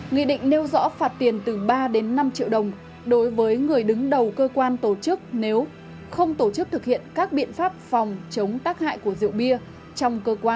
nghị định nêu rõ phạt tiền từ ba đến năm triệu đồng đối với người đứng đầu cơ quan tổ chức nếu không tổ chức thực hiện các biện pháp phòng chống tác hại của rượu bia trong cơ quan